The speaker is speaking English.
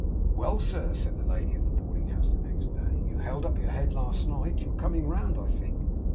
'Well, sir!' said the lady of the Boarding House next day. 'You held up your head last night. You're coming round, I think.